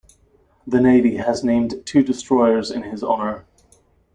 The Navy has named two destroyers in his honor.